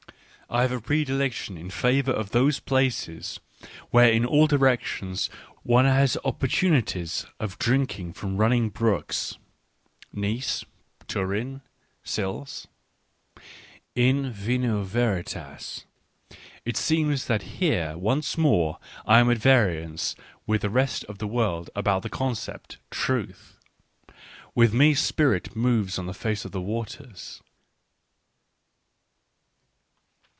... I have a predilection in favour of Digitized by Google 32 ECCE HOMO those places where in all directions one has oppor tunities of drinking from running brooks (Nice, Turin, Sils). In vino Veritas : it seems that here once more I am at variance with the rest of the world about the concept " Truth "— with me spirit moves on the face of the waters.